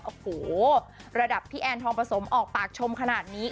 โอ้โหระดับพี่แอนทองผสมออกปากชมขนาดนี้